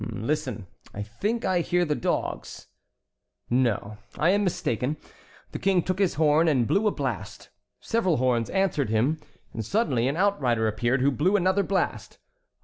Listen, I think I hear the dogs. No, I am mistaken." The King took his horn and blew a blast; several horns answered him. Suddenly an outrider appeared who blew another blast.